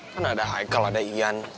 kan ada hicle ada ian